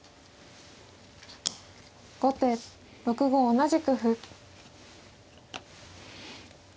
後手６五同じく歩。